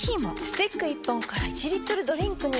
スティック１本から１リットルドリンクに！